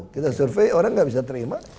kita survei orang nggak bisa terima